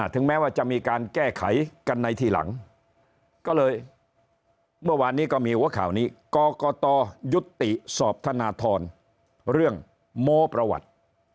ถึงแม้ว่าจะมีการแก้ไขกันในทีหลังก็เลยเมื่อวานนี้ก็มีหัวข่าวนี้กรกตยุติสอบธนทรเรื่องโม้ประวัติ